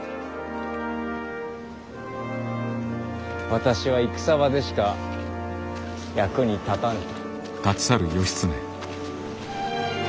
私は戦場でしか役に立たぬ。